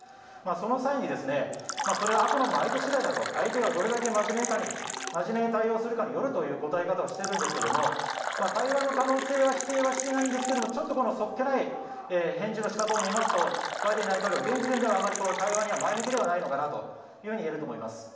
その際に、それはあくまでも相手次第だと相手がどれだけ真面目に対応するかによるとの答え方をしてるんですけども対話の可能性は否定はしていませんがちょっとそっけない返事の仕方を見ますとバイデン大統領は現時点ではあまり対話には前向きではないのかなといえると思います。